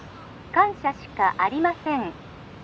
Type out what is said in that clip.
☎感謝しかありません